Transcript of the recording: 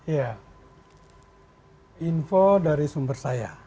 ya info dari sumber saya